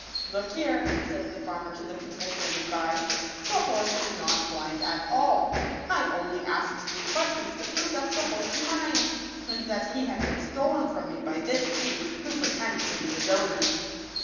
Look here," said the farmer to the people standing by, " the horse is not blind at all. I only asked these questions to prove that the horse is mine, and that he had been stolen from me by this thief, who pretends to be his owner."